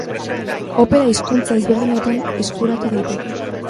Opera hizkuntza ezberdinetan eskuratu daiteke.